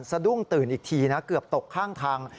สะดุ้งตื่นอีกทีนะเกือบตกข้างทาง